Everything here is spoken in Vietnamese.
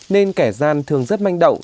nên kẻ gian thường rất manh động